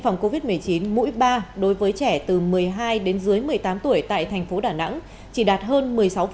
phòng covid một mươi chín mũi ba đối với trẻ từ một mươi hai đến dưới một mươi tám tuổi tại thành phố đà nẵng chỉ đạt hơn một mươi sáu